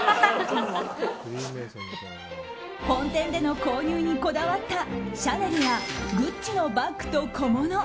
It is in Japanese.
本店での購入にこだわったシャネルやグッチのバッグと小物。